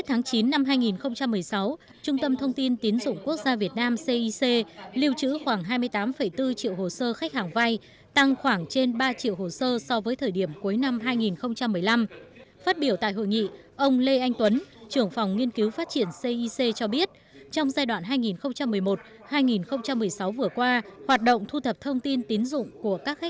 hãy đăng ký kênh để ủng hộ kênh của chúng tôi nhé